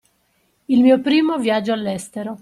Il mio primo viaggio all’estero